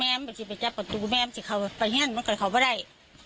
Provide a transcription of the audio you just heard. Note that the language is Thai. วันนี้ไปที่ที่ไปเจอประตูแมคถูกทำไปเยอะมาก่อนเขาไม่ได้